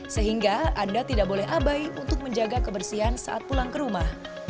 sehingga anda tidak boleh abai untuk menjaga kebersihan saat pulang ke rumah